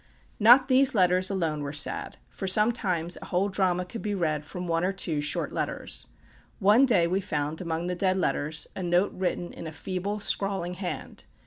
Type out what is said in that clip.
Not these letters alone were sad; for sometimes a whole drama could be read from one or two short letters. One day we found among the dead letters a note written in a feeble, scrawling hand.